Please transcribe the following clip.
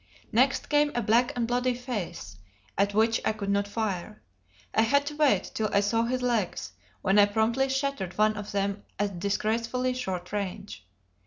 Next came a black and bloody face, at which I could not fire. I had to wait till I saw his legs, when I promptly shattered one of them at disgracefully short range.